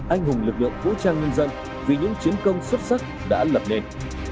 anh hùng lực lượng vũ trang nhân dân vì những chiến công xuất sắc đã lập nên